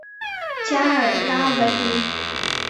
加尔拉韦。